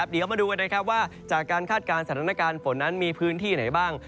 เดี๋ยวมาดูกันนะครับว่าจากการคาดการณ์สถานการณ์ฝนนั้นมีพื้นที่ไหนบ้าง